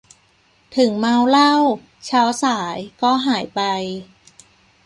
ถึงเมาเหล้า เช้าสาย ก็หายไป